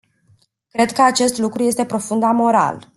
Cred că acest lucru este profund amoral.